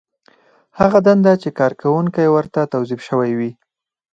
هغه دنده چې کارکوونکی ورته توظیف شوی وي.